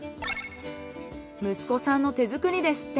息子さんの手作りですって。